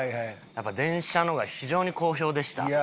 やっぱり電車のが非常に好評でした。